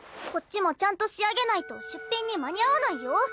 こっちもちゃんと仕上げないと出品に間に合わないよ。